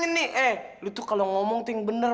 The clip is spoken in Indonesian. eh lu tuh kalau ngomong tuh yang bener